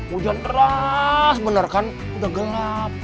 hujan keras bener kan udah gelap